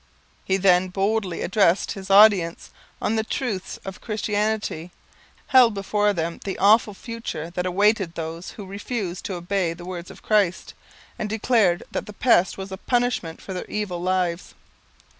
He then boldly addressed his audience on the truths of Christianity, held before them the awful future that awaited those who refused to obey the words of Christ, and declared that the pest was a punishment for their evil lives.